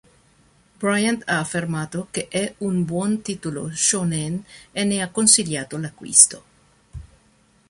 Bryant ha affermato che è un buon titolo "shōnen" e ne ha consigliato l'acquisto.